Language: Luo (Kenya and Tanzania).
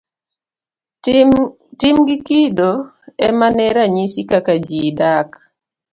Tim gi kido emane ranyiso kaka ji dak.